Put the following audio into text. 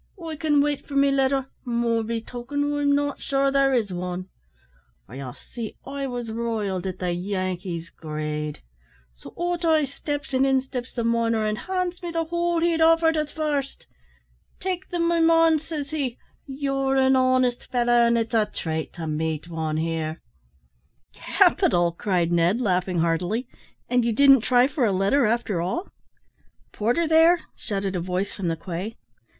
I can wait for me letter, more be token I'm not sure there is wan.' For, ye see, I wos riled at the Yankee's greed. So out I steps, and in steps the miner, and hands me the whole he'd offered at first. "`Take them, my man,' says he; `you're an honest fellow, and it's a trate to meet wan here.'" "Capital," cried Ned, laughing heartily; "and you didn't try for a letter after all?" "Porter there?" shouted a voice from the quay.